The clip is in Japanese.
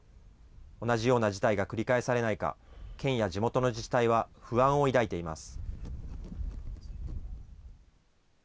同じような事態が繰り返されないか、県や地元の自治体は不安を抱いています。